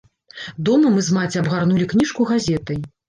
Дома мы з маці абгарнулі кніжку газетай.